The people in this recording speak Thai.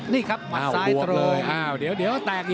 นี่ครับหมัดซ้ายโต